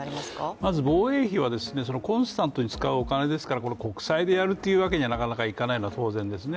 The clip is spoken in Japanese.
まず防衛費は、コンスタントに使うお金ですから、国債でやるというわけにはなかなか、いかないのは当然ですね。